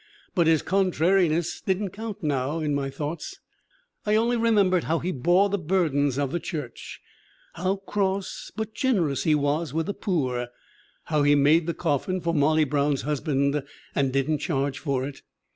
But his contrariness didn't count now in my thoughts. I only remembered how he bore the burdens of the church; how cross, but generous he was with the poor; how he made the coffin for Molly Brown's husband and didn't charge for it.